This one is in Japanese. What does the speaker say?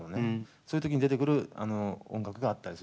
そういう時に出てくる音楽があったりするのね。